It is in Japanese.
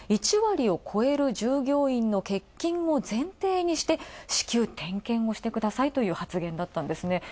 １割を超える従業員の欠勤を前提にして、至急点検をしてしてくださいという発言だったんですね。